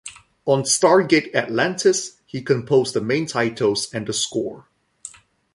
On "Stargate Atlantis" he composed the main titles and the score.